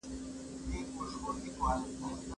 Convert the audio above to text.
که واټني زده کړه دوام ولري، پرمختګ نه درېږي.